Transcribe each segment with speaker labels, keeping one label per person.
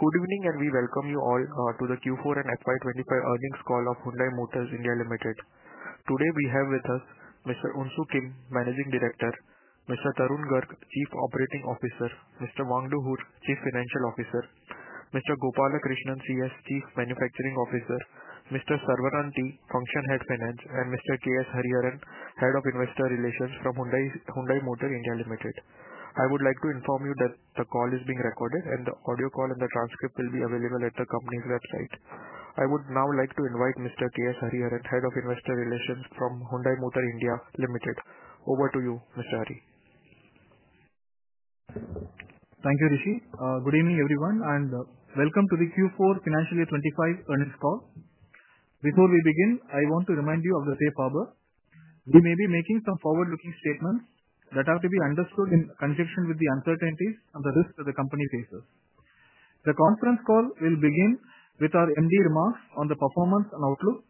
Speaker 1: Good evening, and we welcome you all to the Q4 and FY25 earnings call of Hyundai Motor India Limited.
Speaker 2: Today we have with us Mr. Unsoo Kim, Managing Director; Mr. Tarun Garg, Chief Operating Officer; Mr. Wangduh Hur, Chief Financial Officer; Mr. Gopalakrishnan C S, Chief Manufacturing Officer; Mr. Saravanan T, Function Head Finance; and Mr. K S Hariharan, Head of Investor Relations from Hyundai Motor India Limited. I would like to inform you that the call is being recorded, and the audio call and the transcript will be available at the company's website. I would now like to invite Mr. K S Hariharan, Head of Investor Relations from Hyundai Motor India Limited. Over to you, Mr. Hari.
Speaker 3: Thank you, Rishi. Good evening, everyone, and welcome to the Q4 Financial Year 2025 earnings call. Before we begin, I want to remind you of the safe harbor. We may be making some forward-looking statements that have to be understood in conjunction with the uncertainties and the risks that the company faces. The conference call will begin with our MD remarks on the performance and outlook,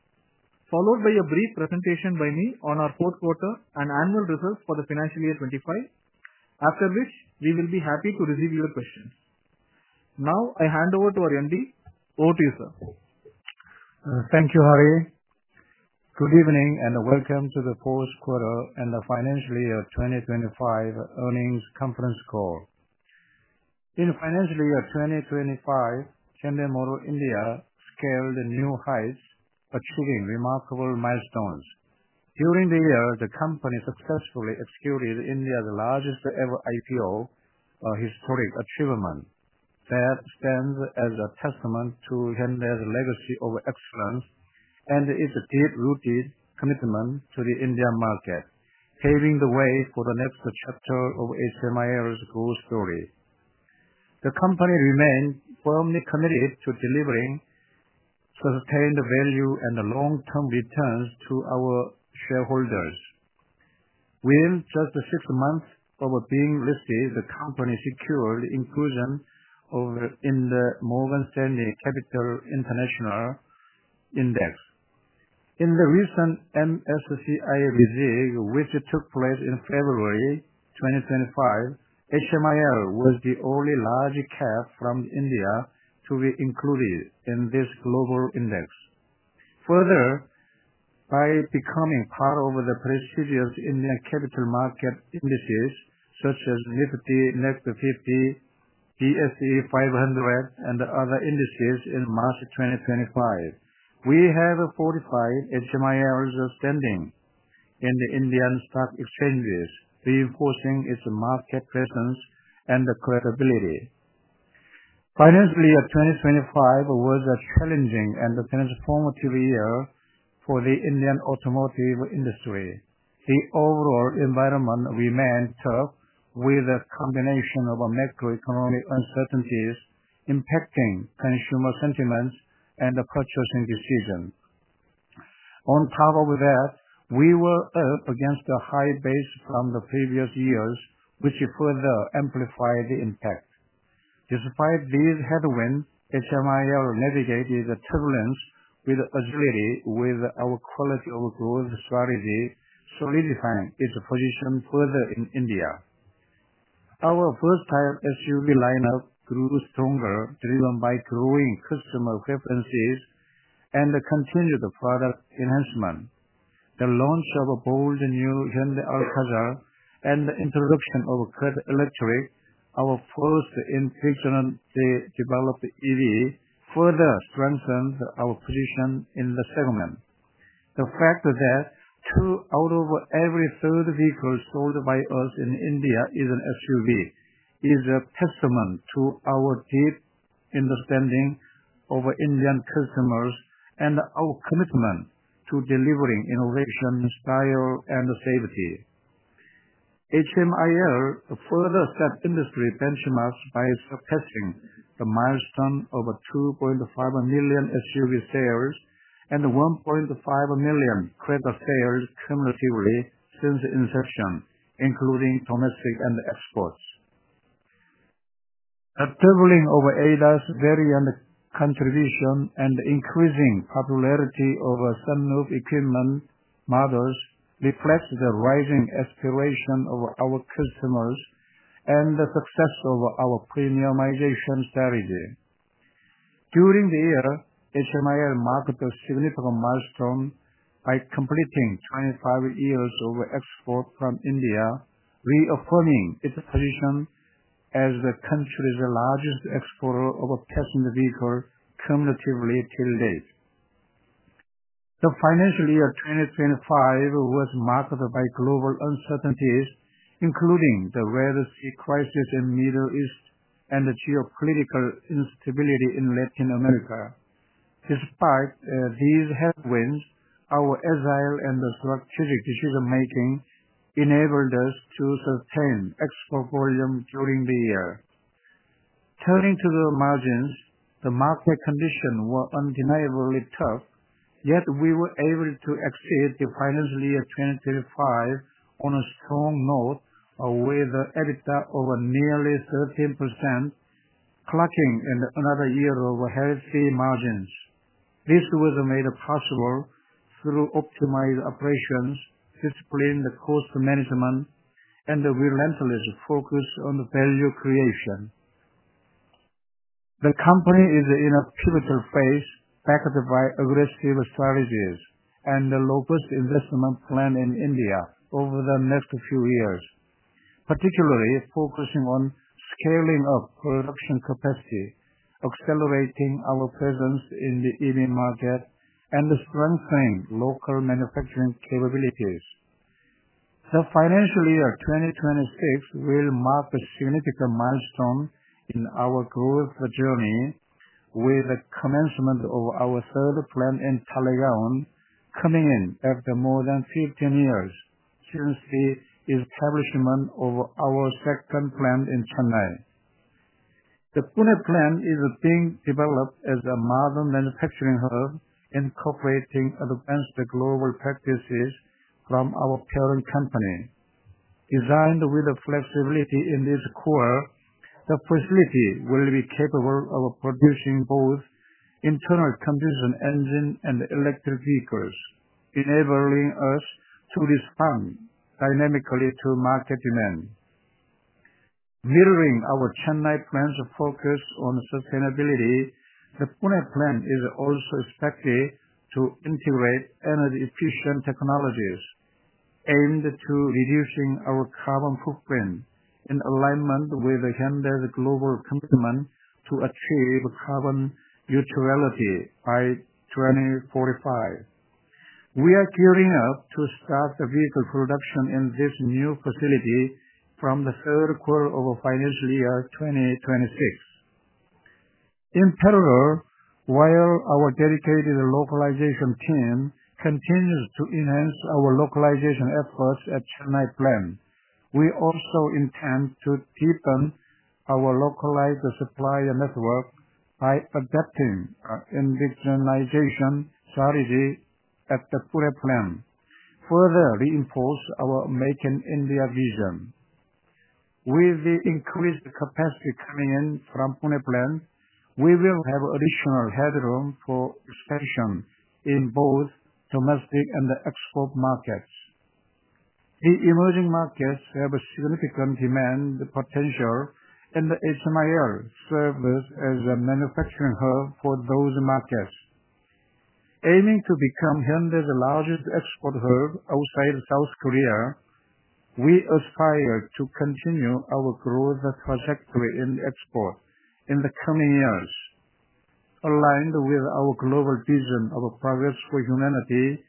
Speaker 3: followed by a brief presentation by me on our fourth quarter and annual results for the Financial Year 2025, after which we will be happy to receive your questions. Now, I hand over to our MD. Over to you, sir.
Speaker 4: Thank you, Hari. Good evening, and welcome to the fourth quarter and the Financial Year 2025 earnings conference call. In Financial Year 2025, Hyundai Motor India scaled new heights, achieving remarkable milestones. During the year, the company successfully executed India's largest-ever IPO, a historic achievement that stands as a testament to Hyundai's legacy of excellence and its deep-rooted commitment to the Indian market, paving the way for the next chapter of HMIL's growth story. The company remains firmly committed to delivering sustained value and long-term returns to our shareholders. Within just six months of being listed, the company secured inclusion in the Morgan Stanley Capital International Index. In the recent MSCI review, which took place in February 2025, HMIL was the only large cap from India to be included in this global index. Further, by becoming part of the prestigious Indian capital market indices, such as Nifty Next 50, BSE 500, and other indices in March 2025, we have fortified HMIL's standing in the Indian stock exchanges, reinforcing its market presence and credibility. Financial Year 2025 was a challenging and transformative year for the Indian automotive industry. The overall environment remained tough, with a combination of macroeconomic uncertainties impacting consumer sentiments and purchasing decisions. On top of that, we were up against a high base from the previous years, which further amplified the impact. Despite these headwinds, HMIL navigated the turbulence with agility, with our quality-of-growth strategy solidifying its position further in India. Our first-time SUV lineup grew stronger, driven by growing customer preferences and continued product enhancement. The launch of a bold new Hyundai Alcazar and the introduction of Creta Electric, our first intelligently developed EV, further strengthened our position in the segment. The fact that two out of every three vehicles sold by us in India is an SUV is a testament to our deep understanding of Indian customers and our commitment to delivering innovation, style, and safety. HMIL further set industry benchmarks by surpassing the milestone of 2.5 million SUV sales and 1.5 million Creta sales cumulatively since inception, including domestic and exports. The turbulent over eight-year variant contribution and the increasing popularity of Sunroof-equipped models reflects the rising aspiration of our customers and the success of our premiumization strategy. During the year, HMIL marked a significant milestone by completing 25 years of export from India, reaffirming its position as the country's largest exporter of passenger vehicles cumulatively till date. The Financial Year 2025 was marked by global uncertainties, including the Red Sea Crisis in the Middle East and geopolitical instability in Latin America. Despite these headwinds, our agile and strategic decision-making enabled us to sustain export volume during the year. Turning to the margins, the market conditions were undeniably tough, yet we were able to exceed the Financial Year 2025 on a strong note, with an EBITDA of nearly 13%, clocking in another year of healthy margins. This was made possible through optimized operations, disciplined cost management, and relentless focus on value creation. The company is in a pivotal phase, backed by aggressive strategies and the lowest investment plan in India over the next few years, particularly focusing on scaling up production capacity, accelerating our presence in the EV market, and strengthening local manufacturing capabilities. The Financial Year 2026 will mark a significant milestone in our growth journey, with the commencement of our third plant in Talegaon coming in after more than 15 years since the establishment of our second plant in Chennai. The Pune plant is being developed as a modern manufacturing hub, incorporating advanced global practices from our parent company. Designed with flexibility in its core, the facility will be capable of producing both internal combustion engine and electric vehicles, enabling us to respond dynamically to market demand. Mirroring our Chennai plant's focus on sustainability, the Pune plant is also expected to integrate energy-efficient technologies aimed at reducing our carbon footprint in alignment with Hyundai's global commitment to achieve carbon neutrality by 2045. We are gearing up to start vehicle production in this new facility from the third quarter of Financial Year 2026. In parallel, while our dedicated localization team continues to enhance our localization efforts at the Chennai plant, we also intend to deepen our localized supplier network by adopting an indigenization strategy at the Pune plant, further reinforcing our Make in India vision. With the increased capacity coming in from the Pune plant, we will have additional headroom for expansion in both domestic and export markets. The emerging markets have significant demand potential, and HMIL serves as a manufacturing hub for those markets. Aiming to become Hyundai's largest export hub outside South Korea, we aspire to continue our growth trajectory in export in the coming years. Aligned with our global vision of progress for humanity,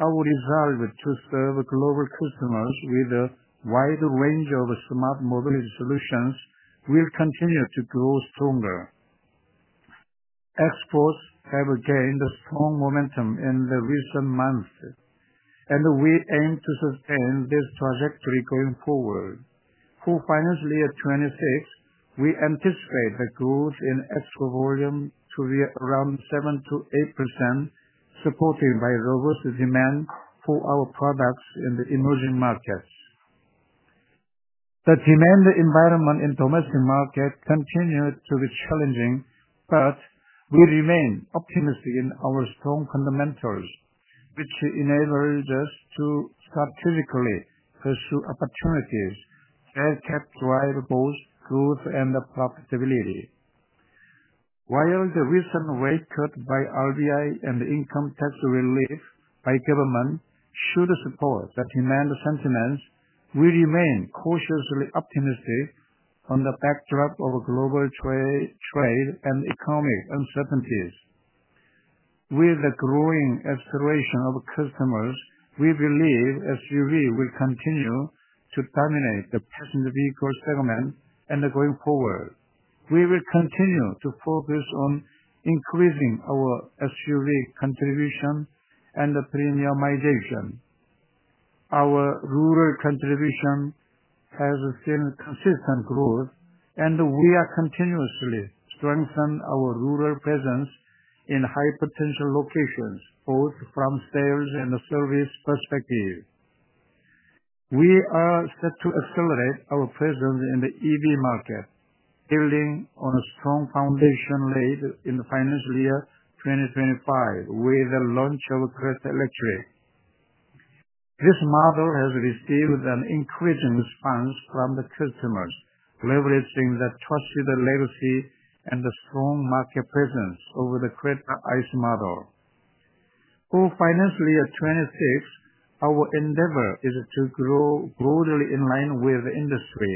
Speaker 4: our resolve to serve global customers with a wide range of smart mobility solutions will continue to grow stronger. Exports have gained strong momentum in the recent months, and we aim to sustain this trajectory going forward. For Financial Year 2026, we anticipate the growth in export volume to be around 7%-8%, supported by robust demand for our products in the emerging markets. The demand environment in the domestic market continues to be challenging, but we remain optimistic in our strong fundamentals, which enables us to strategically pursue opportunities that can drive both growth and profitability. While the recently recorded RBI and income tax relief by the government should support the demand sentiments, we remain cautiously optimistic on the backdrop of global trade and economic uncertainties. With the growing aspiration of customers, we believe SUVs will continue to dominate the passenger vehicle segment going forward. We will continue to focus on increasing our SUV contribution and premiumization. Our rural contribution has seen consistent growth, and we are continuously strengthening our rural presence in high-potential locations, both from sales and service perspectives. We are set to accelerate our presence in the EV market, building on a strong foundation laid in Financial Year 2025 with the launch of Creta Electric. This model has received increasing response from the customers, leveraging the trusted legacy and the strong market presence over the Creta ICE model. For Financial Year 2026, our endeavor is to grow broadly in line with the industry,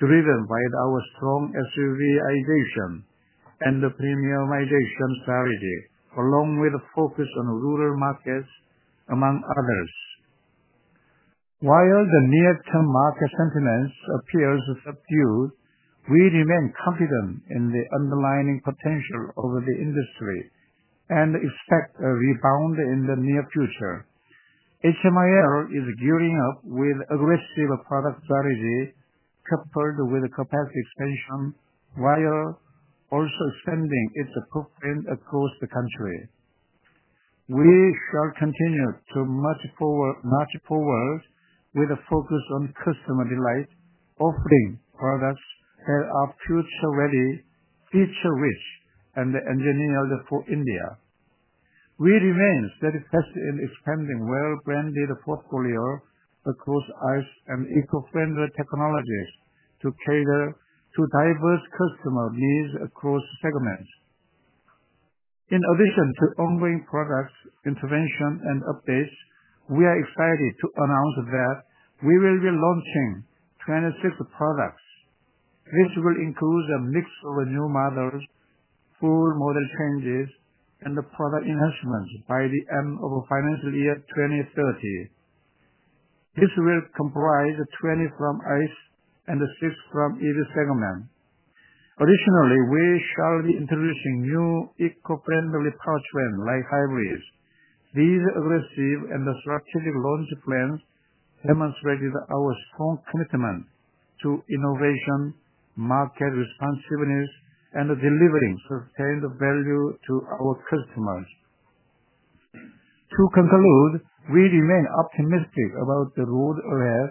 Speaker 4: driven by our strong SUVization and premiumization strategy, along with a focus on rural markets, among others. While the near-term market sentiment appears subdued, we remain confident in the underlying potential of the industry and expect a rebound in the near future. HMIL is gearing up with aggressive product strategy, coupled with capacity expansion, while also extending its footprint across the country. We shall continue to march forward with a focus on customer delight, offering products that are future-ready, feature-rich, and engineered for India. We remain steadfast in expanding our well-branded portfolio across ICE and eco-friendly technologies to cater to diverse customer needs across segments. In addition to ongoing product intervention and updates, we are excited to announce that we will be launching 26 products. This will include a mix of new models, full model changes, and product enhancements by the end of Financial Year 2030. This will comprise 20 from ICE and six from EV segments. Additionally, we shall be introducing new eco-friendly powertrain-like hybrids. These aggressive and strategic launch plans demonstrate our strong commitment to innovation, market responsiveness, and delivering sustained value to our customers. To conclude, we remain optimistic about the road ahead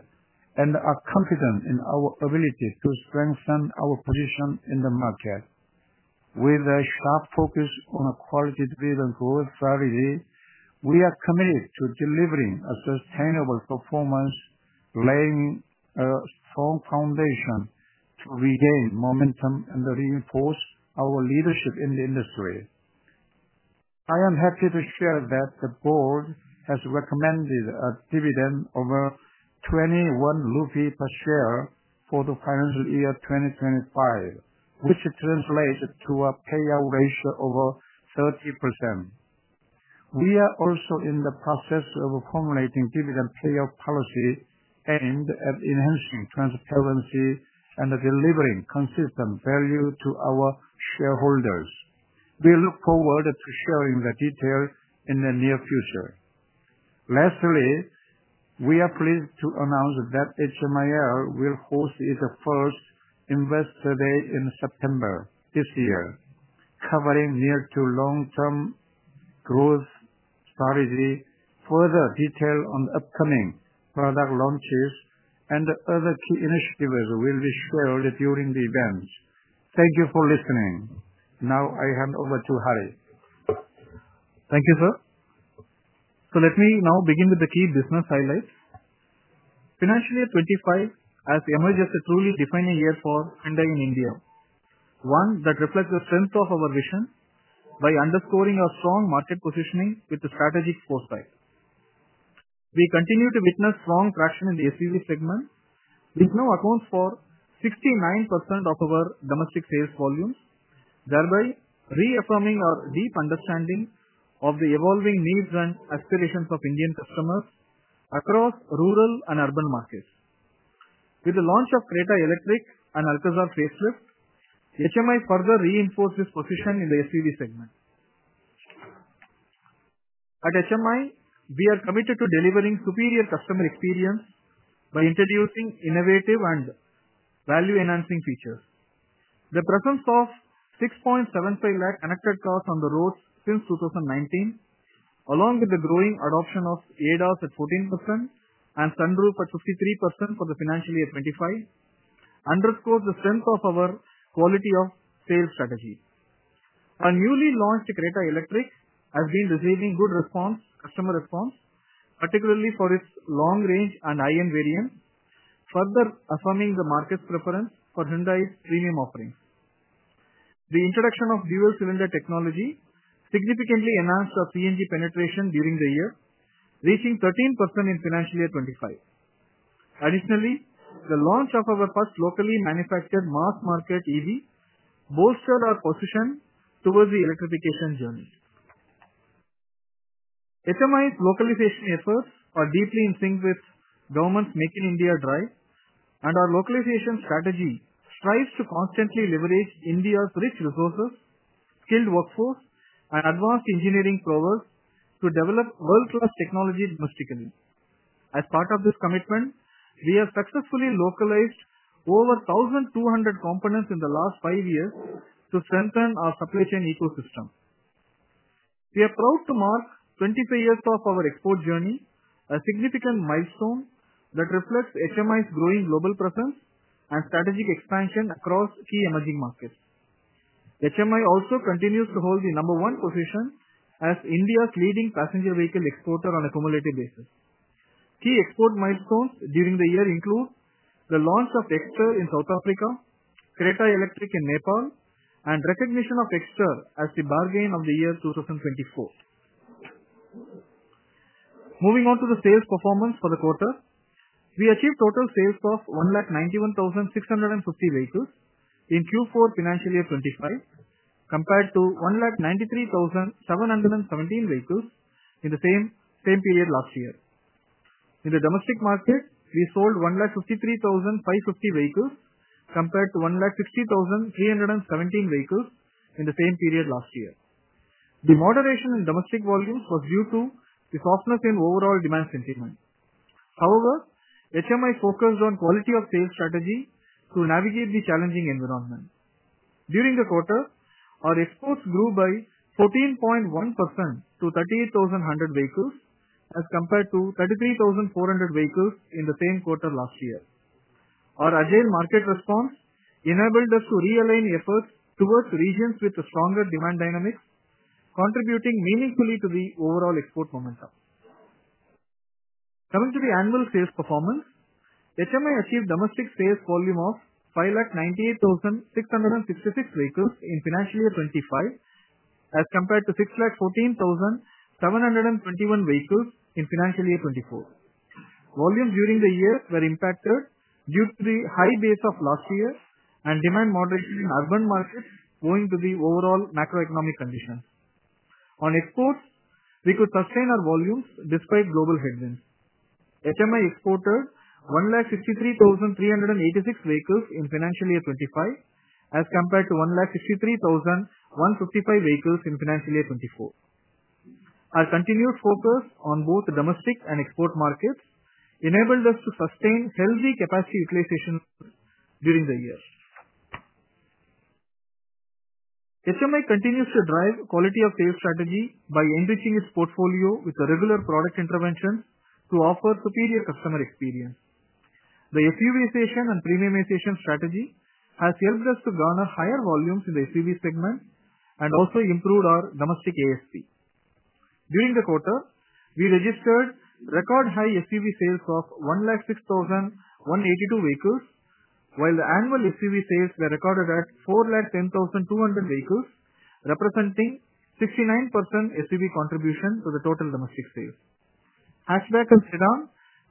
Speaker 4: and are confident in our ability to strengthen our position in the market. With a sharp focus on quality-driven growth strategy, we are committed to delivering a sustainable performance, laying a strong foundation to regain momentum and reinforce our leadership in the industry. I am happy to share that the board has recommended a dividend of 21 rupees per share for Financial Year 2025, which translates to a payout ratio of 30%. We are also in the process of formulating dividend payout policy aimed at enhancing transparency and delivering consistent value to our shareholders. We look forward to sharing the details in the near future. Lastly, we are pleased to announce that HMIL will host its first Investor Day in September this year, covering near-to-long-term growth strategy. Further details on upcoming product launches and other key initiatives will be shared during the event. Thank you for listening. Now, I hand over to Hari.
Speaker 3: Thank you, sir. Let me now begin with the key business highlights. Financial Year 2025 has emerged as a truly defining year for Hyundai in India, one that reflects the strength of our vision by underscoring our strong market positioning with strategic foresight. We continue to witness strong traction in the SUV segment, which now accounts for 69% of our domestic sales volumes, thereby reaffirming our deep understanding of the evolving needs and aspirations of Indian customers across rural and urban markets. With the launch of Creta Electric and Alcazar facelift, HMIL further reinforces its position in the SUV segment. At HMIL, we are committed to delivering superior customer experience by introducing innovative and value-enhancing features. The presence of 675,000 connected cars on the roads since 2019, along with the growing adoption of ADAS at 14% and i20 at 53% for Financial Year 2025, underscores the strength of our quality-of-sale strategy. Our newly launched Creta Electric has been receiving good customer response, particularly for its long-range and high-end variants, further affirming the market's preference for Hyundai's premium offerings. The introduction of dual-cylinder technology significantly enhanced our CNG penetration during the year, reaching 13% in Financial Year 2025. Additionally, the launch of our first locally manufactured mass-market EV bolstered our position towards the electrification journey. HMIL's localization efforts are deeply in sync with government's Make in India drive, and our localization strategy strives to constantly leverage India's rich resources, skilled workforce, and advanced engineering prowess to develop world-class technology domestically. As part of this commitment, we have successfully localized over 1,200 components in the last five years to strengthen our supply chain ecosystem. We are proud to mark 25 years of our export journey, a significant milestone that reflects HMIL's growing global presence and strategic expansion across key emerging markets. HMI also continues to hold the number one position as India's leading passenger vehicle exporter on a cumulative basis. Key export milestones during the year include the launch of Exter in South Africa, Creta Electric in Nepal, and recognition of Exter as the Bargain of the Year 2024. Moving on to the sales performance for the quarter, we achieved total sales of 191,650 vehicles in Q4 Financial Year 2025, compared to 193,717 vehicles in the same period last year. In the domestic market, we sold 153,550 vehicles compared to 160,317 vehicles in the same period last year. The moderation in domestic volumes was due to the softness in overall demand sentiment. However, HMI focused on quality-of-sale strategy to navigate the challenging environment. During the quarter, our exports grew by 14.1% to 38,100 vehicles as compared to 33,400 vehicles in the same quarter last year. Our agile market response enabled us to realign efforts towards regions with stronger demand dynamics, contributing meaningfully to the overall export momentum. Coming to the annual sales performance, Hyundai Motor India achieved domestic sales volume of 598,666 vehicles in Financial Year 2025 as compared to 614,721 vehicles in Financial Year 2024. Volumes during the year were impacted due to the high base of last year and demand moderation in urban markets owing to the overall macroeconomic conditions. On exports, we could sustain our volumes despite global headwinds. Hyundai Motor India exported 163,386 vehicles in Financial Year 2025 as compared to 163,155 vehicles in Financial Year 2024. Our continued focus on both domestic and export markets enabled us to sustain healthy capacity utilization during the year. Hyundai Motor India continues to drive quality-of-sale strategy by enriching its portfolio with regular product interventions to offer superior customer experience. The SUVization and Premiumization strategy has helped us to garner higher volumes in the SUV segment and also improve our domestic ASP. During the quarter, we registered record-high SUV sales of 106,182 vehicles, while the annual SUV sales were recorded at 410,200 vehicles, representing 69% SUV contribution to the total domestic sales. Hatchback and sedan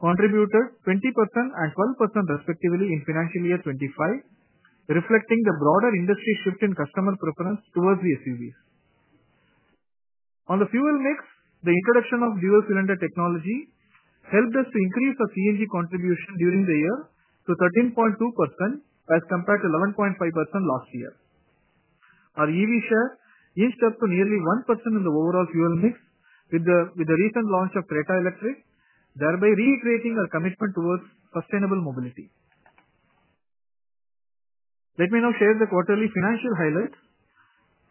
Speaker 3: contributed 20% and 12% respectively in Financial Year 2025, reflecting the broader industry shift in customer preference towards the SUVs. On the fuel mix, the introduction of dual-cylinder technology helped us to increase our CNG contribution during the year to 13.2% as compared to 11.5% last year. Our EV share inched up to nearly 1% in the overall fuel mix with the recent launch of Creta Electric, thereby reiterating our commitment towards sustainable mobility. Let me now share the quarterly financial highlights.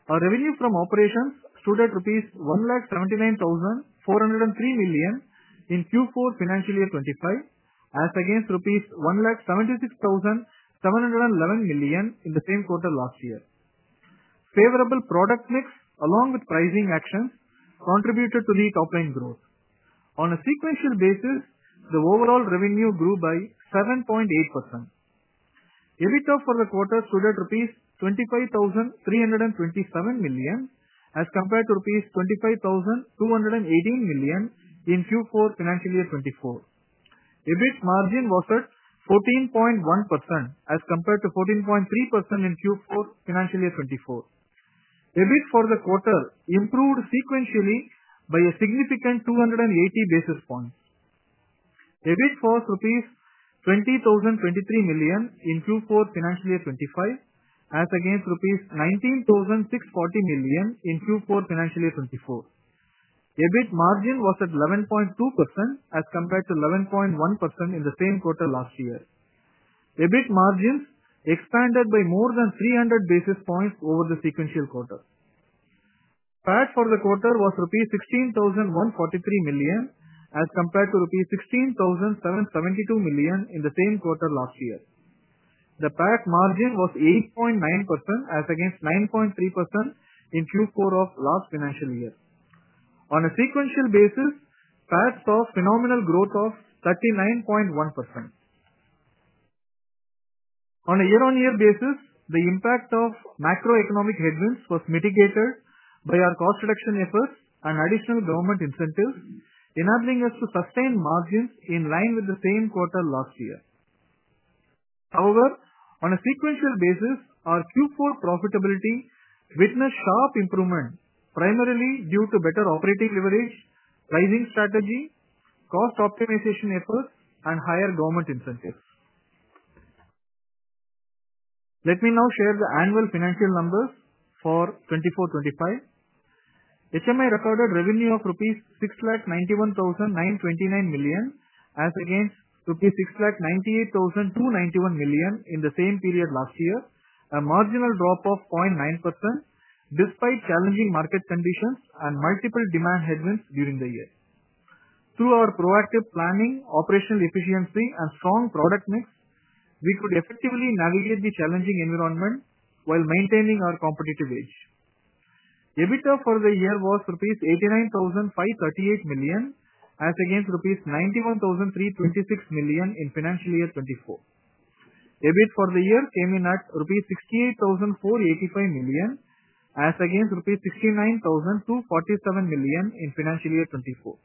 Speaker 3: Our revenue from operations stood at INR 179,403 billion in Q4 Financial Year 2025, as against INR 176,711 billion in the same quarter last year. Favorable product mix, along with pricing actions, contributed to the top-line growth. On a sequential basis, the overall revenue grew by 7.8%. EBITDA for the quarter stood at rupees 25,327 billion as compared to rupees 25,218 billion in Q4 Financial Year 2024. EBIT margin was at 14.1% as compared to 14.3% in Q4 Financial Year 2024. EBIT for the quarter improved sequentially by a significant 280 basis points. EBIT was INR 20,023 billion in Q4 Financial Year 2025, as against INR 19,640 billion in Q4 Financial Year 2024. EBIT margin was at 11.2% as compared to 11.1% in the same quarter last year. EBIT margins expanded by more than 300 basis points over the sequential quarter. PAT for the quarter was rupees 16,143 billion as compared to rupees 16,772 billion in the same quarter last year. The PAT margin was 8.9% as against 9.3% in Q4 of last financial year. On a sequential basis, PAT saw phenomenal growth of 39.1%. On a year-on-year basis, the impact of macroeconomic headwinds was mitigated by our cost-reduction efforts and additional government incentives, enabling us to sustain margins in line with the same quarter last year. However, on a sequential basis, our Q4 profitability witnessed sharp improvement, primarily due to better operating leverage, pricing strategy, cost optimization efforts, and higher government incentives. Let me now share the annual financial numbers for 2024-2025. HMI recorded revenue of rupees 691,929 billion as against rupees 698,291 billion in the same period last year, a marginal drop of 0.9% despite challenging market conditions and multiple demand headwinds during the year. Through our proactive planning, operational efficiency, and strong product mix, we could effectively navigate the challenging environment while maintaining our competitive edge. EBITDA for the year was rupees 89,538 billion as against rupees 91,326 billion in Financial Year 2024. EBIT for the year came in at rupees 68,485 billion as against rupees 69,247 billion in Financial Year 2024.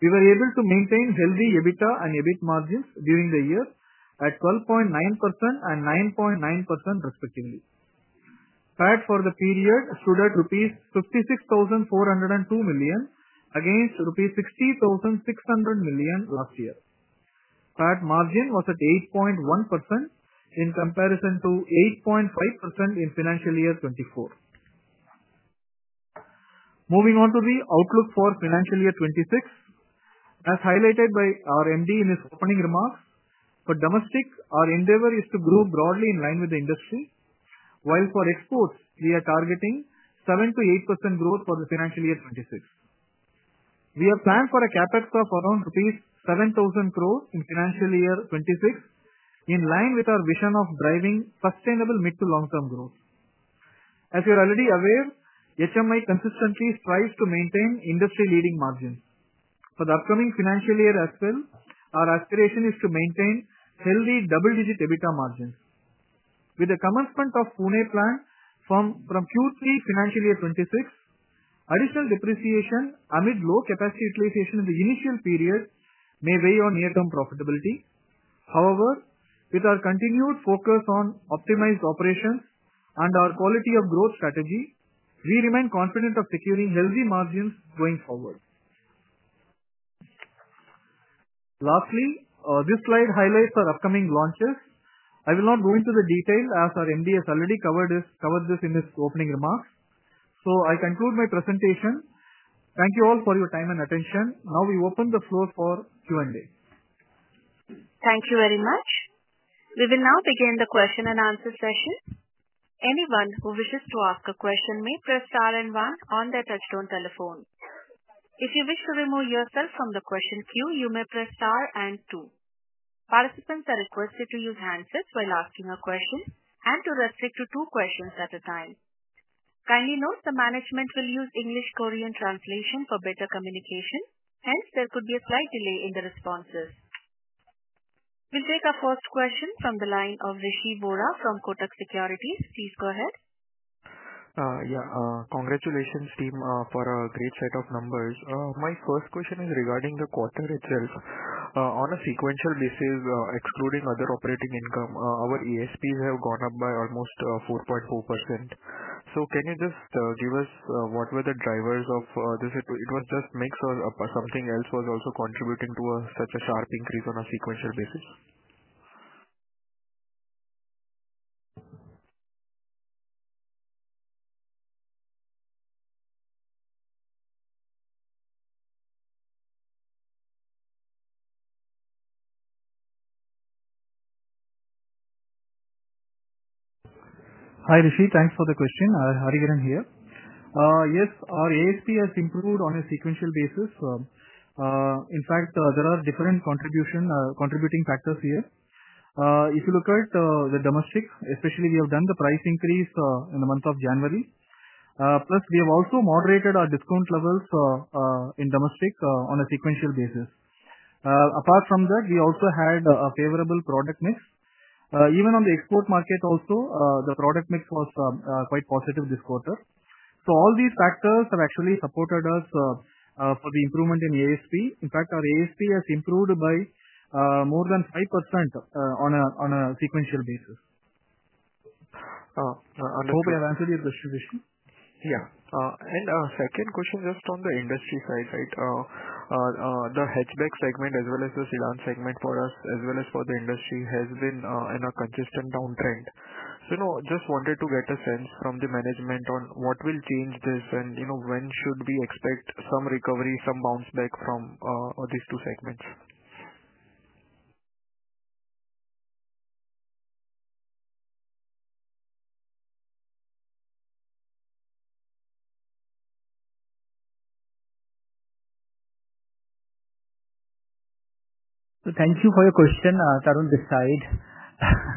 Speaker 3: We were able to maintain healthy EBITDA and EBIT margins during the year at 12.9% and 9.9% respectively. PAT for the period stood at rupees 56,402 billion against rupees 60,600 billion last year. PAT margin was at 8.1% in comparison to 8.5% in Financial Year 2024. Moving on to the outlook for Financial Year 2026, as highlighted by our MD in his opening remarks, for domestic, our endeavor is to grow broadly in line with the industry, while for exports, we are targeting 7%-8% growth for Financial Year 2026. We have planned for a CapEx of around rupees 7,000 crore in Financial Year 2026, in line with our vision of driving sustainable mid-to-long-term growth. As you are already aware, HMI consistently strives to maintain industry-leading margins. For the upcoming financial year as well, our aspiration is to maintain healthy double-digit EBITDA margins. With the commencement of Pune plant from Q3 Financial Year 2026, additional depreciation amid low capacity utilization in the initial period may weigh on near-term profitability. However, with our continued focus on optimized operations and our quality-of-growth strategy, we remain confident of securing healthy margins going forward. Lastly, this slide highlights our upcoming launches. I will not go into the detail as our MD has already covered this in his opening remarks. I conclude my presentation. Thank you all for your time and attention. Now we open the floor for Q&A.
Speaker 1: Thank you very much. We will now begin the question and answer session. Anyone who wishes to ask a question may press star and one on their touchstone telephone. If you wish to remove yourself from the question queue, you may press star and two. Participants are requested to use handsets while asking a question and to restrict to two questions at a time. Kindly note the management will use English-Korean translation for better communication. Hence, there could be a slight delay in the responses. We'll take our first question from the line of Rishi Vora from Kotak Securities. Please go ahead.
Speaker 2: Yeah, congratulations team for a great set of numbers. My first question is regarding the quarter itself. On a sequential basis, excluding other operating income, our ASPs have gone up by almost 4.4%. So can you just give us what were the drivers of this? It was just mix or something else was also contributing to such a sharp increase on a sequential basis?
Speaker 3: Hi Rishi, thanks for the question. Hariharan here. Yes, our ASP has improved on a sequential basis. In fact, there are different contributing factors here. If you look at the domestic, especially we have done the price increase in the month of January. Plus, we have also moderated our discount levels in domestic on a sequential basis. Apart from that, we also had a favorable product mix. Even on the export market, also the product mix was quite positive this quarter. So all these factors have actually supported us for the improvement in ASP. In fact, our ASP has improved by more than 5% on a sequential basis. I hope I have answered your question, Rishi.
Speaker 2: Yeah, and our second question just on the industry side, right? The hatchback segment as well as the sedan segment for us, as well as for the industry, has been in a consistent downtrend. Just wanted to get a sense from the management on what will change this and when should we expect some recovery, some bounce back from these two segments?
Speaker 5: Thank you for your question, Tarun decide.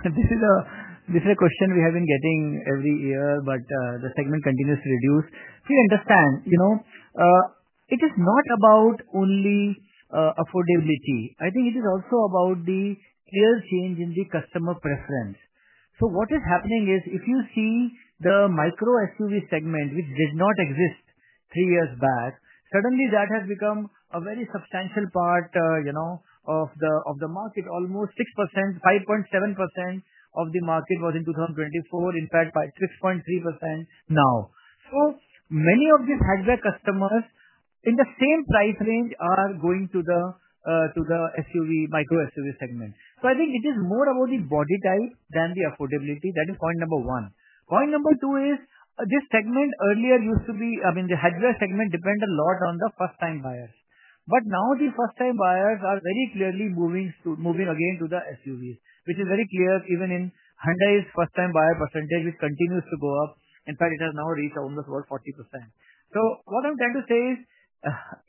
Speaker 5: This is a question we have been getting every year, but the segment continues to reduce. We understand. It is not about only affordability. I think it is also about the clear change in the customer preference. What is happening is if you see the micro SUV segment, which did not exist three years back, suddenly that has become a very substantial part of the market. Almost 6%, 5.7% of the market was in 2024. In fact, 6.3% now. Many of these hatchback customers in the same price range are going to the micro SUV segment. I think it is more about the body type than the affordability. That is point number one. Point number two is this segment earlier used to be, I mean, the hatchback segment depended a lot on the first-time buyers. Now the first-time buyers are very clearly moving again to the SUVs, which is very clear even in Hyundai's first-time buyer percentage, which continues to go up. In fact, it has now reached almost about 40%. What I'm trying to say is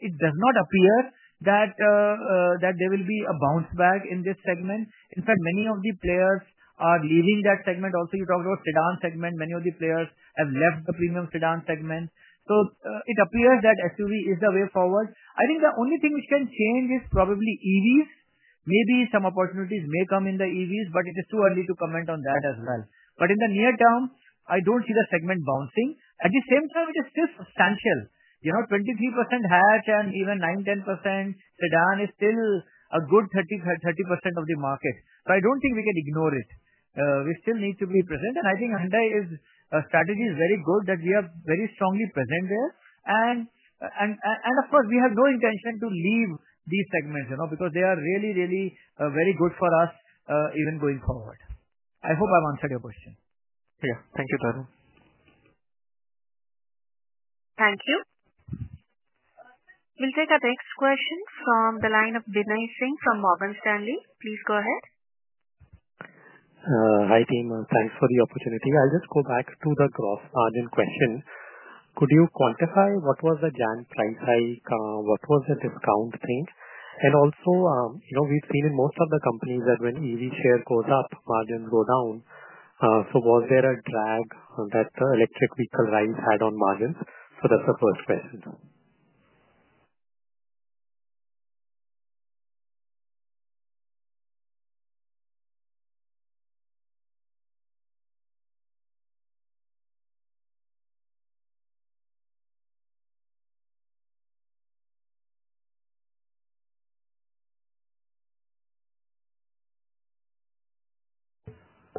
Speaker 5: it does not appear that there will be a bounce back in this segment. In fact, many of the players are leaving that segment. Also, you talked about sedan segment. Many of the players have left the premium sedan segment. It appears that SUV is the way forward. I think the only thing which can change is probably EVs. Maybe some opportunities may come in the EVs, but it is too early to comment on that as well. In the near term, I do not see the segment bouncing. At the same time, it is still substantial. 23% hatch and even 9-10% sedan is still a good 30% of the market. I do not think we can ignore it. We still need to be present. I think Hyundai's strategy is very good that we are very strongly present there. Of course, we have no intention to leave these segments because they are really, really very good for us even going forward. I hope I have answered your question.
Speaker 2: Yeah, thank you, Tarun.
Speaker 1: Thank you. We will take our next question from the line of Binay Singh from Morgan Stanley.
Speaker 6: Please go ahead. Hi team, thanks for the opportunity. I'll just go back to the gross margin question. Could you quantify what was the January price hike? What was the discount thing? Also, we've seen in most of the companies that when EV share goes up, margins go down. Was there a drag that the electric vehicle rise had on margins? That's the first question.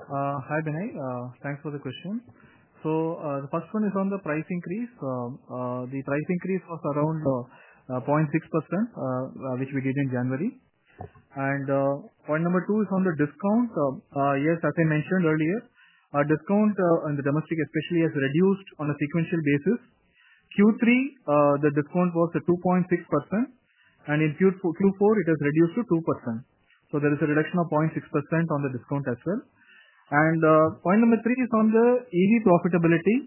Speaker 5: Hi Binay, thanks for the question. The first one is on the price increase. The price increase was around 0.6%, which we did in January. Point number two is on the discount. Yes, as I mentioned earlier, our discount in the domestic especially has reduced on a sequential basis. In Q3, the discount was 2.6%, and in Q4, it has reduced to 2%. There is a reduction of 0.6% on the discount as well. Point number three is on the EV profitability.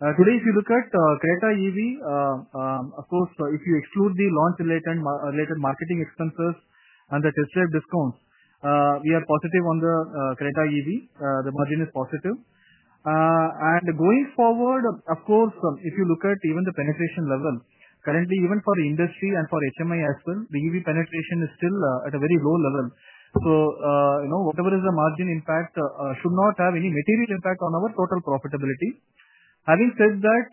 Speaker 5: Today, if you look at Creta EV, of course, if you exclude the launch-related marketing expenses and the test drive discounts, we are positive on the Creta EV. The margin is positive. Going forward, of course, if you look at even the penetration level, currently, even for industry and for HMIL as well, the EV penetration is still at a very low level. Whatever is the margin impact should not have any material impact on our total profitability. Having said that,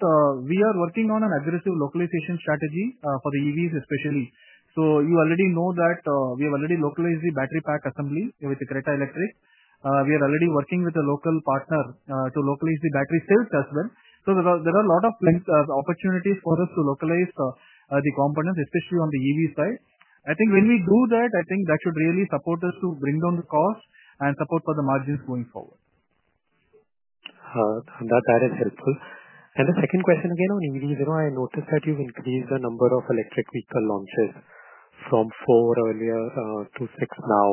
Speaker 5: we are working on an aggressive localization strategy for the EVs especially. You already know that we have already localized the battery pack assembly with the Creta Electric. We are already working with a local partner to localize the battery cells as well. There are a lot of opportunities for us to localize the components, especially on the EV side. I think when we do that, I think that should really support us to bring down the cost and support for the margins going forward.
Speaker 6: That is helpful. The second question again on EVs, I noticed that you've increased the number of electric vehicle launches from four earlier to six now.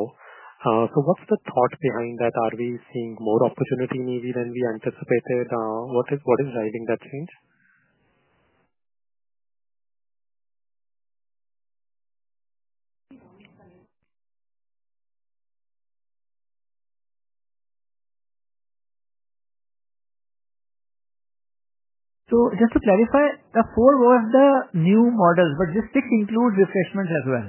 Speaker 6: What's the thought behind that? Are we seeing more opportunity in EV than we anticipated? What is driving that change?
Speaker 5: Just to clarify, the four were the new models, but the six include refreshments as well.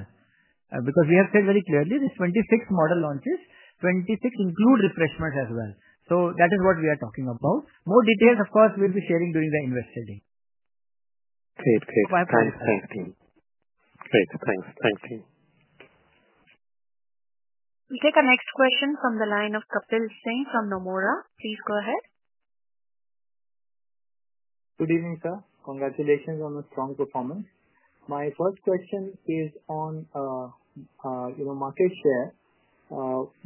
Speaker 5: Because we have said very clearly, the 26 model launches, 26 include refreshments as well. That is what we are talking about. More details, of course, we'll be sharing during the investing.
Speaker 6: Great. Thanks, team. Great. Thanks. Thanks, team.
Speaker 1: We'll take our next question from the line of Kapil Singh from Nomura. Please go ahead.
Speaker 7: Good evening, sir. Congratulations on the strong performance. My first question is on market share.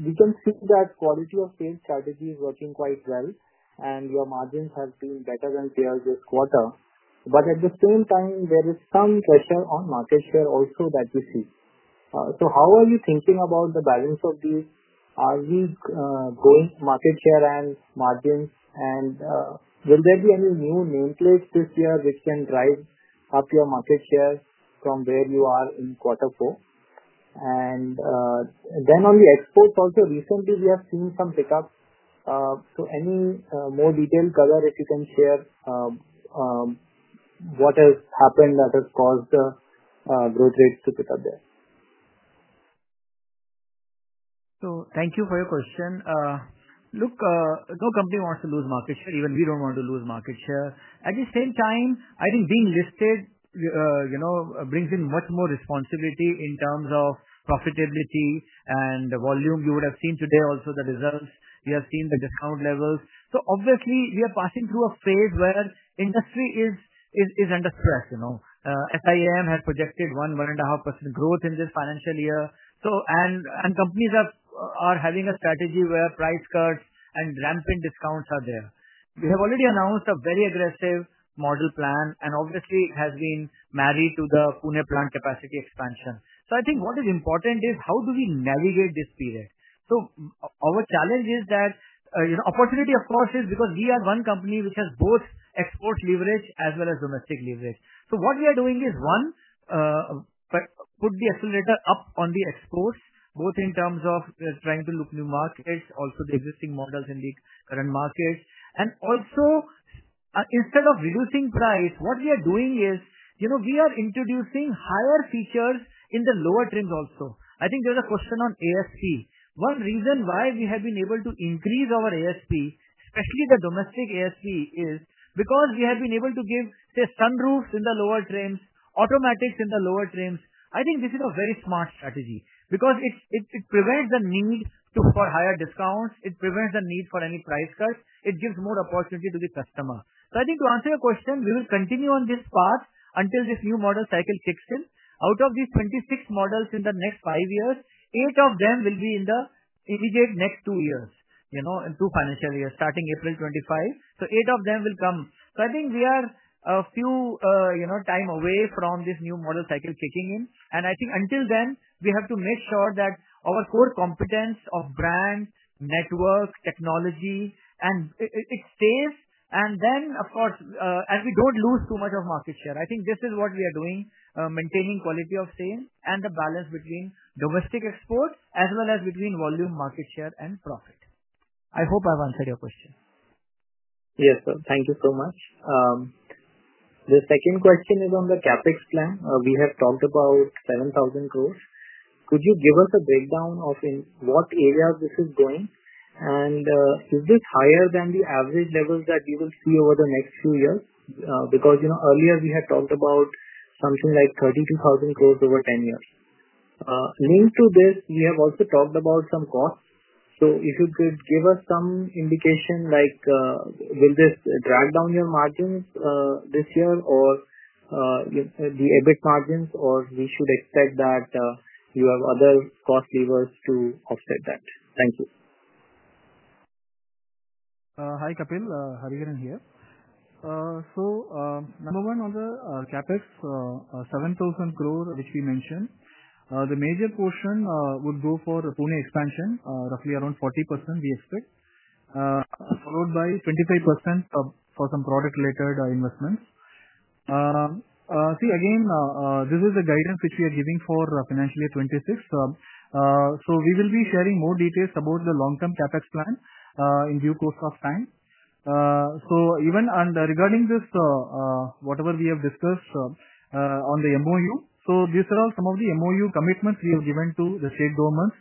Speaker 7: We can see that quality of sales strategy is working quite well, and your margins have been better than theirs this quarter. At the same time, there is some pressure on market share also that we see. How are you thinking about the balance of these? Are we going market share and margins? Will there be any new nameplates this year which can drive up your market share from where you are in quarter four? On the exports also, recently we have seen some pickups. Any more detailed color, if you can share what has happened that has caused the growth rate to pick up there?
Speaker 5: Thank you for your question. Look, no company wants to lose market share. Even we do not want to lose market share. At the same time, I think being listed brings in much more responsibility in terms of profitability and volume. You would have seen today also the results. You have seen the discount levels. Obviously, we are passing through a phase where industry is under stress. SIAM has projected 1-1.5% growth in this financial year. Companies are having a strategy where price cuts and rampant discounts are there. We have already announced a very aggressive model plan, and obviously, it has been married to the Pune plant capacity expansion. I think what is important is how do we navigate this period? Our challenge is that opportunity, of course, is because we are one company which has both export leverage as well as domestic leverage. What we are doing is, one, put the accelerator up on the exports, both in terms of trying to look new markets, also the existing models in the current markets. Also, instead of reducing price, what we are doing is we are introducing higher features in the lower trims also. I think there is a question on ASP. One reason why we have been able to increase our ASP, especially the domestic ASP, is because we have been able to give, say, sunroofs in the lower trims, automatics in the lower trims. I think this is a very smart strategy because it prevents the need for higher discounts. It prevents the need for any price cuts. It gives more opportunity to the customer. I think to answer your question, we will continue on this path until this new model cycle kicks in. Out of these 26 models in the next five years, eight of them will be in the immediate next two years, two financial years, starting April 2025. Eight of them will come. I think we are a few time away from this new model cycle kicking in. I think until then, we have to make sure that our core competence of brand, network, technology, and it stays. Of course, we do not lose too much of market share. I think this is what we are doing, maintaining quality of sales and the balance between domestic export as well as between volume, market share, and profit. I hope I have answered your question.
Speaker 7: Yes, sir. Thank you so much. The second question is on the CapEx plan. We have talked about 7,000 crore. Could you give us a breakdown of in what area this is going? Is this higher than the average levels that we will see over the next few years? Because earlier, we had talked about something like 32,000 crore over 10 years. Linked to this, we have also talked about some costs. If you could give us some indication, will this drag down your margins this year or the EBIT margins, or should we expect that you have other cost levers to offset that? Thank you.
Speaker 3: Hi, Kapil. Hariharan here. Number one on the CapEx, 7,000 crore which we mentioned, the major portion would go for Pune expansion, roughly around 40% we expect, followed by 25% for some product-related investments. This is the guidance which we are giving for financial year 2026. We will be sharing more details about the long-term CapEx plan in due course of time. Even regarding this, whatever we have discussed on the MOU, these are all some of the MOU commitments we have given to the state governments,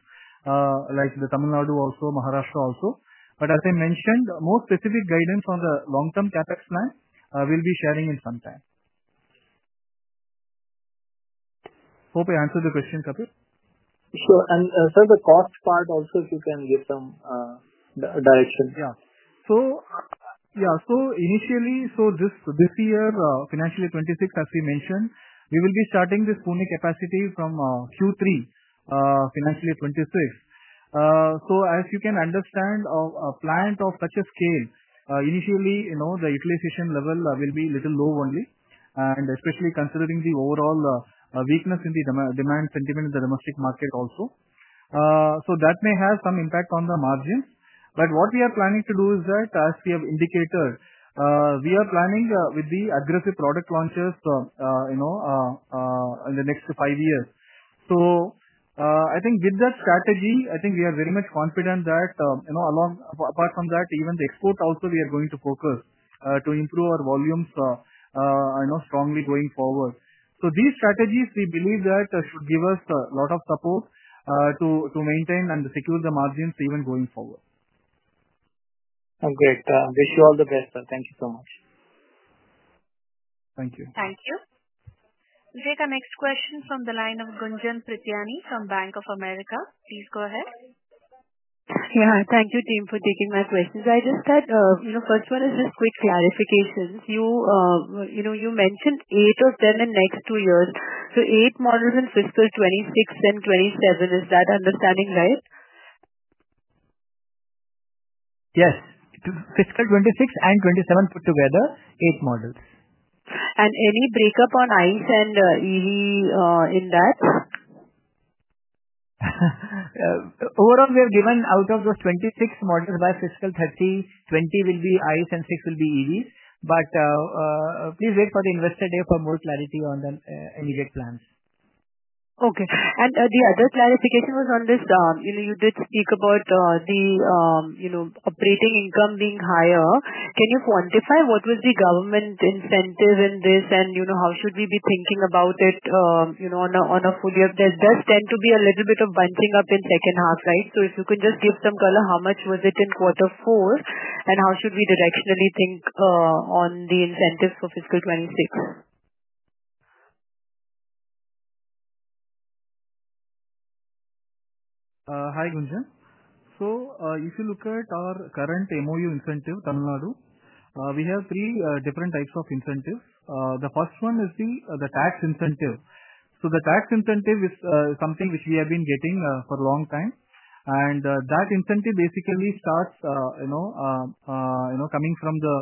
Speaker 3: like Tamil Nadu also, Maharashtra also. As I mentioned, more specific guidance on the long-term CAPEX plan we will be sharing in some time. Hope I answered the question, Kapil.
Speaker 7: Sure. Sir, the cost part also, if you can give some direction.
Speaker 3: Yeah. Initially, this year, financial year 2026, as we mentioned, we will be starting this Pune capacity from Q3, financial year 2026. As you can understand, a plant of such a scale, initially, the utilization level will be a little low only, and especially considering the overall weakness in the demand sentiment in the domestic market also. That may have some impact on the margins. What we are planning to do is that, as we have indicated, we are planning with the aggressive product launches in the next five years. I think with that strategy, I think we are very much confident that apart from that, even the export also, we are going to focus to improve our volumes strongly going forward. These strategies, we believe that should give us a lot of support to maintain and secure the margins even going forward.
Speaker 7: Great. Wish you all the best, sir. Thank you so much. Thank you.
Speaker 1: Thank you. We'll take our next question from the line of Gunjan Prithyani from Bank of America. Please go ahead.
Speaker 8: Yeah. Thank you, team, for taking my questions. I just had first one is just quick clarifications. You mentioned eight of them in next two years. So eight models in fiscal 2026 and 2027. Is that understanding right?
Speaker 5: Yes. Fiscal 2026 and 2027 put together, eight models.
Speaker 8: Any breakup on ICE and EV in that?
Speaker 5: Overall, we have given out of those 26 models by fiscal 2030, 20 will be ICE and 6 will be EVs. Please wait for the investor day for more clarity on the immediate plans.
Speaker 8: Okay. The other clarification was on this. You did speak about the operating income being higher. Can you quantify what was the government incentive in this and how should we be thinking about it on a fully? There does tend to be a little bit of bunching up in second half, right? If you can just give some color, how much was it in Q4, and how should we directionally think on the incentives for fiscal 2026?
Speaker 3: Hi, Gunjan. If you look at our current MOU incentive, Tamil Nadu, we have three different types of incentives. The first one is the tax incentive. The tax incentive is something which we have been getting for a long time. That incentive basically starts coming from the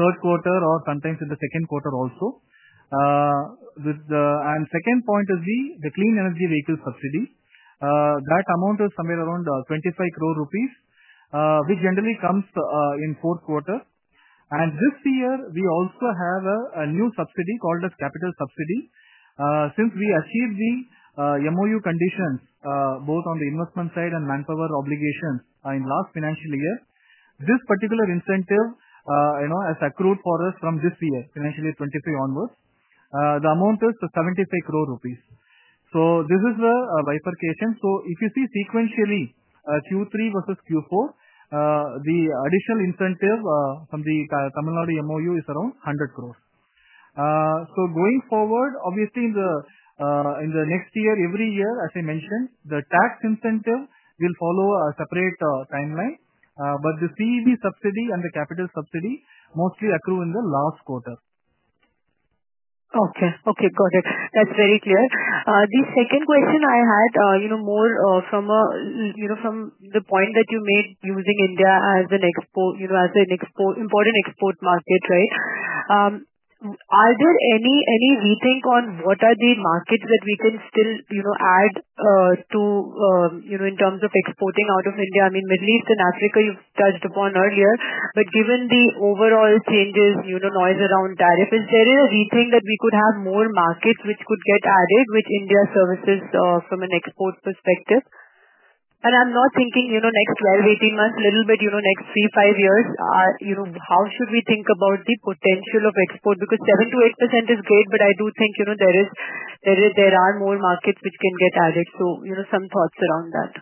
Speaker 3: third quarter or sometimes in the second quarter also. The second point is the clean energy vehicle subsidy. That amount is somewhere around 25 crore rupees, which generally comes in the fourth quarter. This year, we also have a new subsidy called a capital subsidy. Since we achieved the MOU conditions, both on the investment side and manpower obligations in the last financial year, this particular incentive has accrued for us from this year, financial year 2023 onwards. The amount is 75 crore rupees. This is the bifurcation. If you see sequentially Q3 versus Q4, the additional incentive from the Tamil Nadu MOU is around 100 crore. Going forward, obviously, in the next year, every year, as I mentioned, the tax incentive will follow a separate timeline. The CEV subsidy and the capital subsidy mostly accrue in the last quarter.
Speaker 8: Okay. Okay. Got it. That is very clear. The second question I had more from the point that you made using India as an important export market, right? Are there any rethink on what are the markets that we can still add to in terms of exporting out of India? I mean, Middle East and Africa, you have touched upon earlier. Given the overall changes, noise around tariffs, is there a rethink that we could have more markets which could get added, which India services from an export perspective? I'm not thinking next 12-18 months, a little bit next three-five years. How should we think about the potential of export? Because 7-8% is great, but I do think there are more markets which can get added. Some thoughts around that.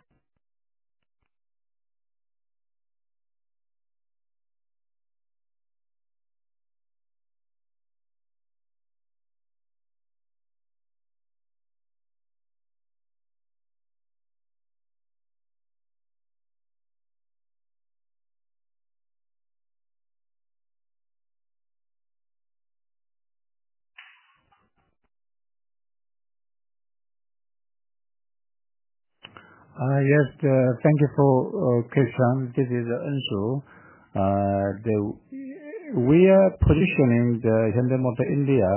Speaker 4: Yes. Thank you for the question. This is Unsoo. We are positioning Hyundai Motor India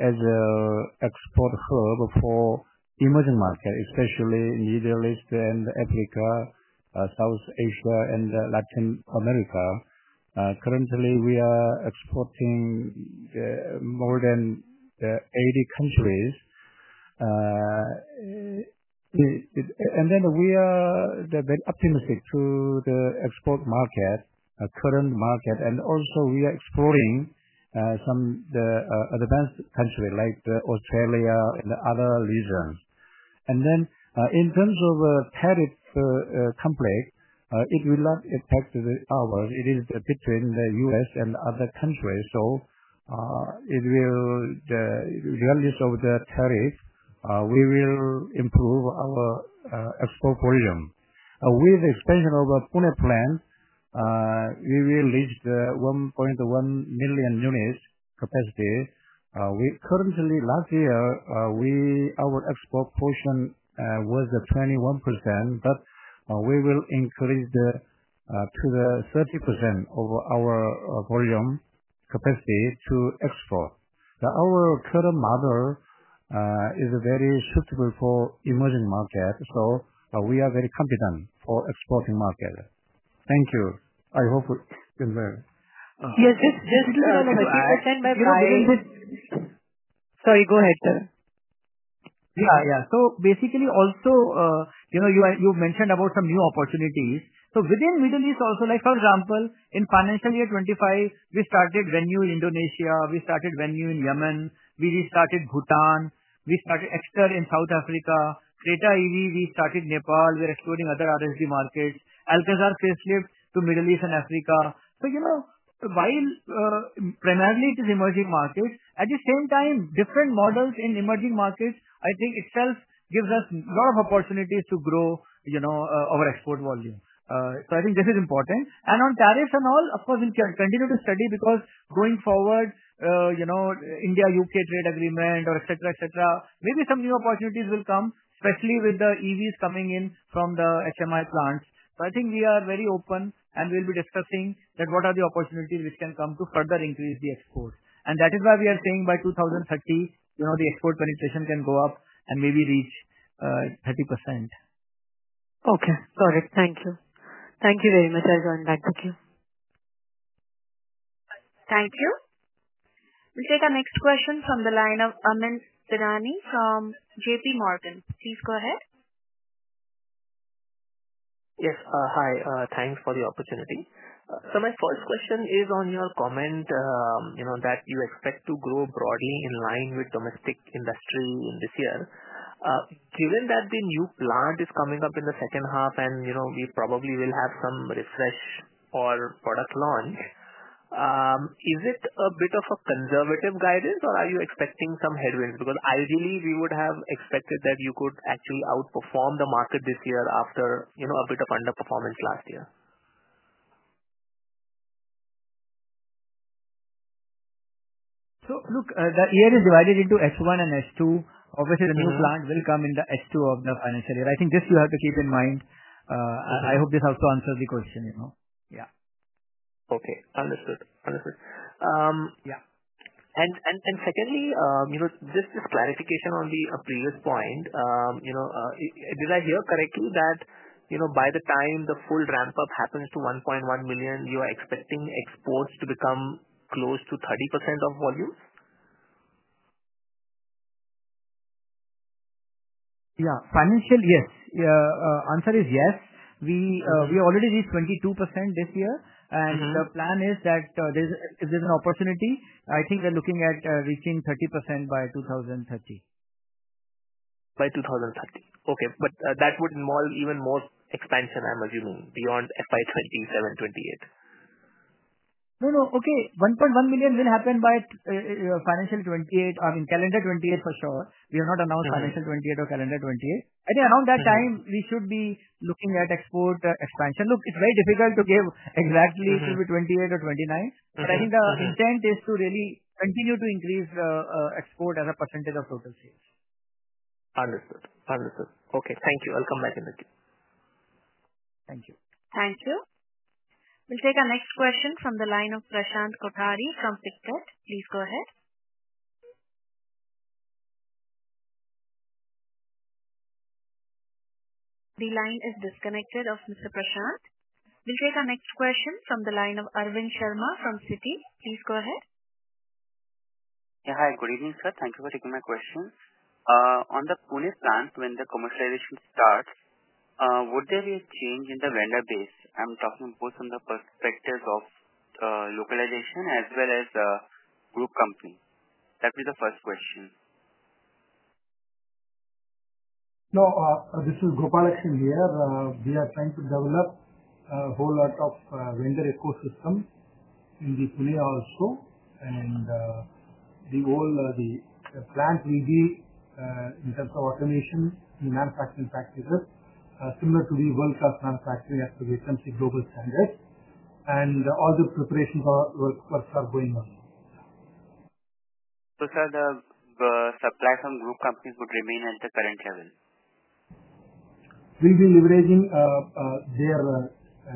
Speaker 4: as an export hub for emerging markets, especially Middle East and Africa, South Asia, and Latin America. Currently, we are exporting to more than 80 countries. We are very optimistic to the export market, current market, and also we are exploring some advanced countries like Australia and other regions. In terms of tariff conflict, it will not affect ours. It is between the U.S. and other countries. The release of the tariff will improve our export volume. With the expansion of Pune plant, we will reach the 1.1 million units capacity. Currently, last year, our export portion was 21%, but we will increase to the 30% of our volume capacity to export. Our current model is very suitable for emerging markets. So we are very confident for exporting market. Thank you. I hope it's good.
Speaker 8: Yes.
Speaker 5: Just a little bit of a quick question, but I believe it.
Speaker 8: Sorry. Go ahead, sir.
Speaker 5: Yeah. Yeah. Basically, also, you've mentioned about some new opportunities. Within Middle East also, for example, in financial year 2025, we started Venue in Indonesia. We started Venue in Yemen. We restarted Bhutan. We started Exter in South Africa. Creta EV, we started Nepal. We're exploring other RSD markets. Alcazar facelift to Middle East and Africa. While primarily it is emerging markets, at the same time, different models in emerging markets, I think itself gives us a lot of opportunities to grow our export volume. I think this is important. On tariffs and all, of course, we'll continue to study because going forward, India-U.K. trade agreement, etc., etc., maybe some new opportunities will come, especially with the EVs coming in from the HMI plants. I think we are very open and we'll be discussing what are the opportunities which can come to further increase the export. That is why we are saying by 2030, the export penetration can go up and maybe reach 30%.
Speaker 8: Okay. Got it. Thank you. Thank you very much. I'll join back. Thank you.
Speaker 1: Thank you. We'll take our next question from the line of Amyn Pirani from JP Morgan. Please go ahead.
Speaker 9: Yes. Hi. Thanks for the opportunity. My first question is on your comment that you expect to grow broadly in line with the domestic industry this year. Given that the new plant is coming up in the second half and we probably will have some refresh or product launch, is it a bit of a conservative guidance or are you expecting some headwinds? Because ideally, we would have expected that you could actually outperform the market this year after a bit of underperformance last year.
Speaker 5: The year is divided into S1 and S2. Obviously, the new plant will come in the S2 of the financial year. I think this you have to keep in mind. I hope this also answers the question.
Speaker 9: Yeah. Okay. Understood. Understood. Yeah. Secondly, just this clarification on the previous point. Did I hear correctly that by the time the full ramp-up happens to 1.1 million, you are expecting exports to become close to 30% of volume?
Speaker 5: Yeah. Financial, yes. Answer is yes. We already reached 22% this year. And the plan is that if there's an opportunity, I think we're looking at reaching 30% by 2030.
Speaker 9: By 2030. Okay. But that would involve even more expansion, I'm assuming, beyond FY 27, 28.
Speaker 5: No, no. Okay. 1.1 million will happen by financial 2028. I mean, calendar 2028 for sure. We have not announced financial 2028 or calendar 2028. I think around that time, we should be looking at export expansion. Look, it's very difficult to give exactly it should be 2028 or 2029. But I think the intent is to really continue to increase export as a percentage of total sales.
Speaker 9: Understood. Understood. Okay. Thank you. I'll come back in a bit. Thank you.
Speaker 1: Thank you. We'll take our next question from the line of Prashant Kothari from SICKET. Please go ahead. The line is disconnected of Mr. Prashant. We'll take our next question from the line of Arvind Sharma from Citi. Please go ahead.
Speaker 10: Yeah. Hi. Good evening, sir. Thank you for taking my question. On the Pune plant, when the commercialization starts, would there be a change in the vendor base? I'm talking both from the perspective of localization as well as group company. That would be the first question.
Speaker 11: No, this is Gopalakrishnan here. We are trying to develop a whole lot of vendor ecosystem in the Pune also. And the whole plant will be, in terms of automation and manufacturing practices, similar to the world-class manufacturing as per the HMC Global standards. And all the preparations workforce are going on.
Speaker 10: Sir, the supply from group companies would remain at the current level?
Speaker 11: We'll be leveraging their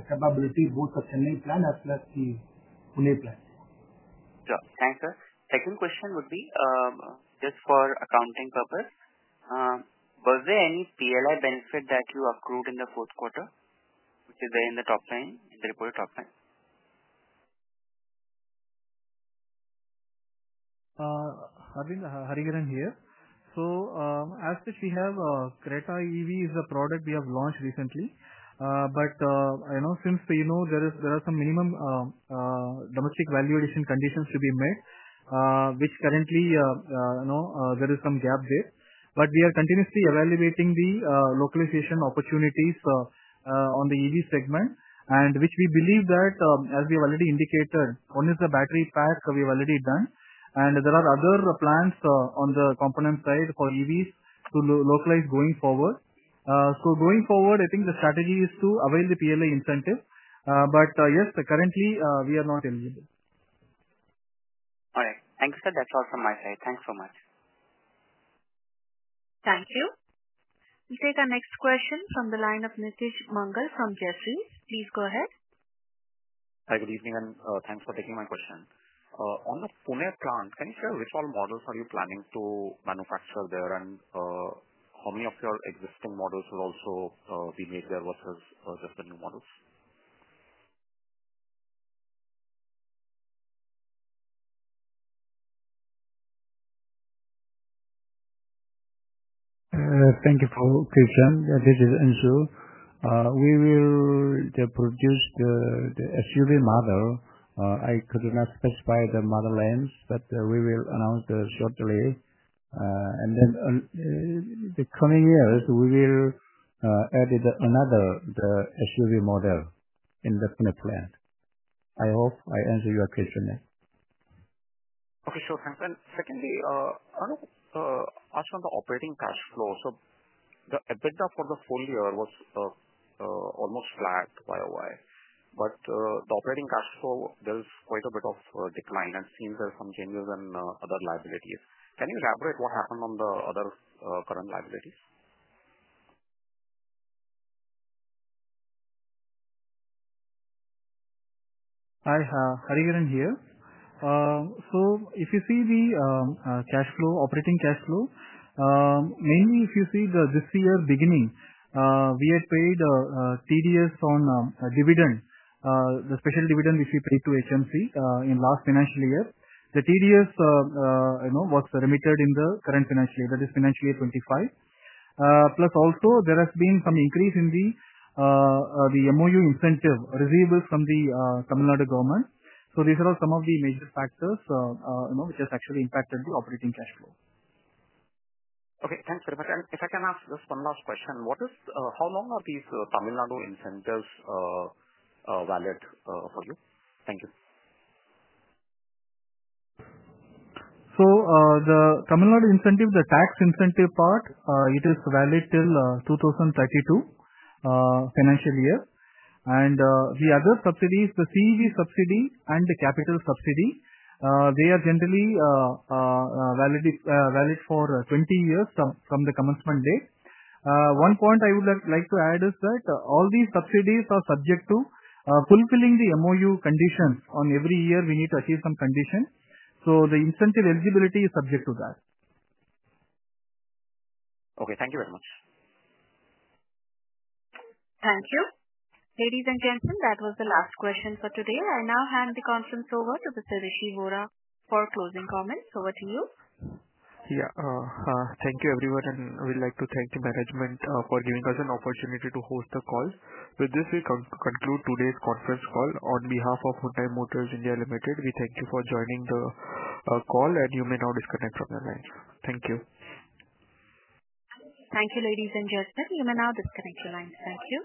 Speaker 11: capability, both the Chennai plant as well as the Pune plant.
Speaker 10: Sure. Thanks, sir. Second question would be just for accounting purpose. Was there any PLI benefit that you accrued in the fourth quarter, which is there in the top line, in the reported top line?
Speaker 3: Arvind Hariharan here. As such, we have Creta EV as a product we have launched recently. Since there are some minimum domestic value addition conditions to be met, currently there is some gap there. We are continuously evaluating the localization opportunities on the EV segment, which we believe that, as we have already indicated, one is the battery pack we have already done. There are other plans on the component side for EVs to localize going forward. Going forward, I think the strategy is to avail the PLI incentive. But yes, currently, we are not eligible.
Speaker 10: All right. Thanks, sir. That's all from my side. Thanks so much.
Speaker 1: Thank you. We'll take our next question from the line of Nitij Mangal from Jefferies. Please go ahead.
Speaker 12: Hi, good evening, and thanks for taking my question. On the Pune plant, can you share which all models are you planning to manufacture there, and how many of your existing models will also be made there versus just the new models?
Speaker 4: Thank you for question. This is Unsoo. We will produce the SUV model. I could not specify the model names, but we will announce shortly. In the coming years, we will add another SUV model in the Pune plant. I hope I answered your question there.
Speaker 12: Okay. Sure. Thanks. Secondly, I want to ask on the operating cash flow. The EBITDA for the full year was almost flat year over year. The operating cash flow, there is quite a bit of decline and there are some changes in other liabilities. Can you elaborate what happened on the other current liabilities?
Speaker 3: Hi, Hariharan here. If you see the operating cash flow, mainly if you see this year beginning, we had paid TDS on dividend, the special dividend which we paid to HMC in last financial year. The TDS was remitted in the current financial year. That is financial year 2025. Also, there has been some increase in the MOU incentive receivables from the Tamil Nadu government. These are some of the major factors which have actually impacted the operating cash flow.
Speaker 12: Okay. Thanks very much. If I can ask just one last question, how long are these Tamil Nadu incentives valid for you? Thank you.
Speaker 3: The Tamil Nadu incentive, the tax incentive part, is valid till the 2032 financial year. The other subsidies, the CEV subsidy and the capital subsidy, are generally valid for 20 years from the commencement date. One point I would like to add is that all these subsidies are subject to fulfilling the MOU conditions. Every year, we need to achieve some condition, so the incentive eligibility is subject to that.
Speaker 12: Thank you very much.
Speaker 1: Thank you. Ladies and gentlemen, that was the last question for today. I now hand the conference over to Mr. Rishi Vora for closing comments. Over to you.
Speaker 2: Thank you, everyone. We would like to thank the management for giving us an opportunity to host the call. With this, we conclude today's conference call. On behalf of Hyundai Motor India Limited, we thank you for joining the call, and you may now disconnect from the line. Thank you.
Speaker 4: Thank you, ladies and gentlemen. You may now disconnect your lines. Thank you.